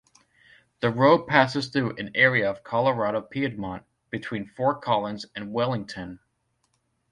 The road passes through an area of Colorado Piedmont, between Fort Collins and Wellington.